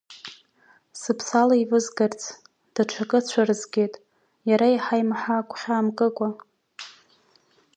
Сыԥсы алеивызгарц, даҽакы цәырызгеит, иара иаҳа-имаҳа агәхьаа мкыкәа…